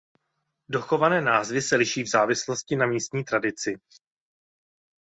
Dochované názvy se liší v závislosti na místní tradici.